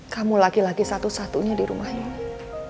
kamu laki laki satu satunya di rumahnya